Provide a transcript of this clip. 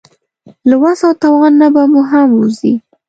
له وس او توان نه به مو هم ووځي.